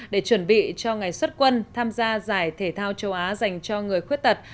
để chuẩn bị cho ngày xuất quân tham gia giải thể thao châu á dành cho người khuyết tật